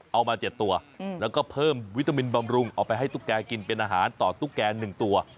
เอามา๗ตัวแล้วก็เพิ่มวิตามินบำรุงเอาไปให้ตุ๊กแกกินเป็นอาหารต่อตุ๊กแก๑ตัว